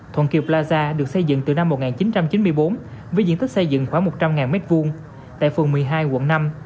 thuận kiệp plaza được xây dựng từ năm một nghìn chín trăm chín mươi bốn với diện tích xây dựng khoảng một trăm linh m hai tại phường một mươi hai quận năm